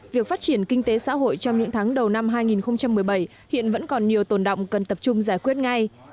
việc phát triển kinh tế xã hội trong những tháng đầu năm hai nghìn một mươi bảy hiện vẫn còn nhiều tồn động cần tập trung